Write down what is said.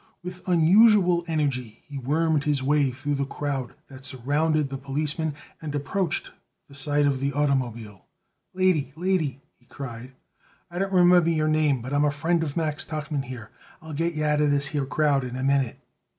With unusual energy he wormed his way through the crowd that surrounded the policeman and approached the side of the automobile. "Lady, lady," he cried, "I don't remember your name, but I'm a friend of Max Tuchman here, and I'll get you out of this here crowd in a minute."